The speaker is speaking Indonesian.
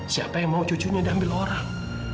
siapa yang mau cucunya diambil orang